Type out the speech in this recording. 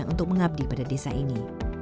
untuk mengabdi pada desa ini